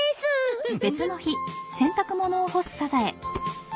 うん？